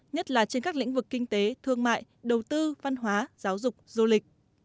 nhất là trên các lĩnh vực kinh tế thương mại đầu tư văn hóa giáo dục du lịch